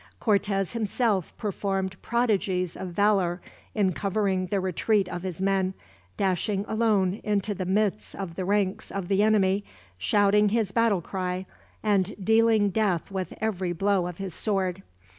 Cortez himself performed prodigies of valor in covering the retreat of his men, dashing alone into the midst of the ranks of the enemy, shouting his battle cry, and dealing death with every blow of his sword.